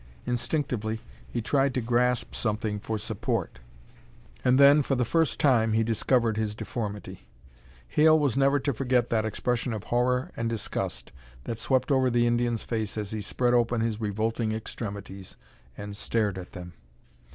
Instinctively he tried to grasp something for support, and then, for the first time, he discovered his deformity. Hale was never to forget that expression of horror and disgust that swept over the Indian's face as he spread open his revolting extremities and stared at them.